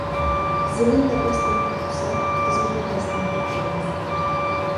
زېمىن نەپەستىن توختىسا، بىزمۇ نەپەستىن توختايمىز.